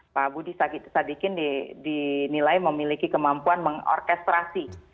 pak budi sadikin dinilai memiliki kemampuan mengorkestrasi